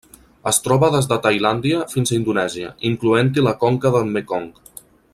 Es troba des de Tailàndia fins a Indonèsia, incloent-hi la conca del Mekong.